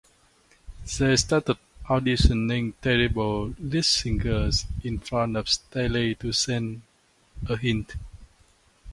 They started auditioning terrible lead singers in front of Staley to send a hint.